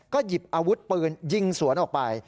ก็หยิบอาวุธปืนยิงสวนออกไป